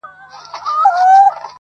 نه يې لاس و نه يې سترگه د زوى مړي!.